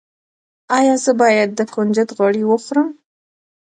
ایا زه باید د کنجد غوړي وخورم؟